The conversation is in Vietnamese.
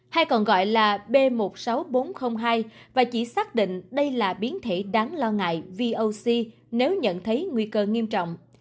hay còn gọi là b một mươi sáu nghìn bốn trăm linh hai và chỉ xác định đây là biến thể đáng lo ngại voc nếu nhận thấy nguy cơ nghiêm trọng